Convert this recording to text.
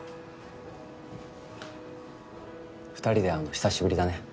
二人で会うの久しぶりだね